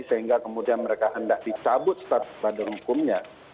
sehingga kemudian mereka hendak dicabut status badan hukumnya